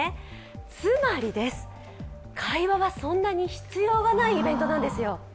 つまり、会話はそんなに必要ないイベントなんですよ。